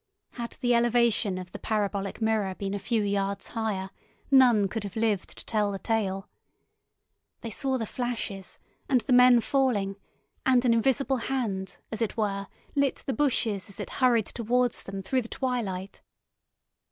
Had the elevation of the parabolic mirror been a few yards higher, none could have lived to tell the tale. They saw the flashes and the men falling and an invisible hand, as it were, lit the bushes as it hurried towards them through the twilight.